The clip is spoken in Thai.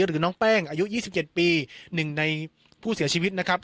หรือน้องแป้งอายุ๒๗ปี๑ในผู้เสียชีวิตนะครับ